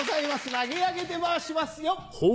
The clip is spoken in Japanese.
投げ上げて回しますよっ！